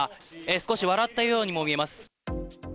少し笑ったようにも見えます。